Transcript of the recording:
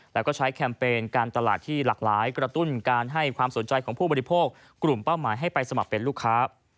แล้วก็ใช้แคมเปญการตลาดที่หลากหลายกระตุ้นการให้ความสนใจของผู้บริโภคกลุ่มเป้าหมายให้ไปสมัครเป็นลูกค้า